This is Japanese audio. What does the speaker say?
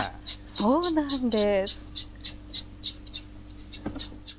そうなんです。